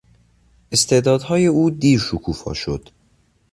استعدادهای او دیر شکوفا شد.